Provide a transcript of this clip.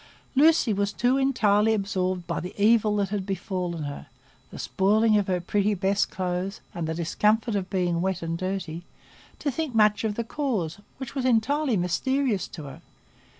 Lucy was too entirely absorbed by the evil that had befallen her,—the spoiling of her pretty best clothes, and the discomfort of being wet and dirty,—to think much of the cause, which was entirely mysterious to her.